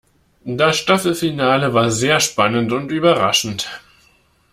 Das Staffelfinale war sehr spannend und überraschend.